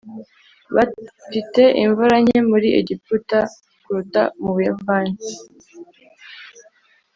bafite imvura nke muri egiputa kuruta mu buyapani